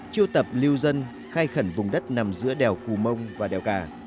chiêu tập lưu dân khai khẩn vùng đất nằm giữa đèo cù mông và đèo cả